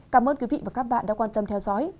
cảm ơn quý vị và các bạn đã quan tâm theo dõi